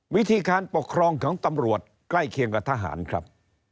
วิธีการปกครองของตำรวจใกล้เคียงกับทหารครับ